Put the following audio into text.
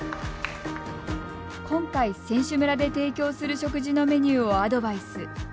今回、選手村で提供する食事のメニューをアドバイス。